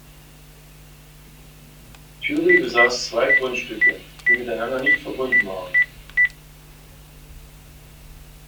Thury besaß zwei Grundstücke, die miteinander nicht verbunden waren.